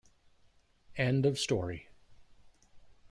End of story.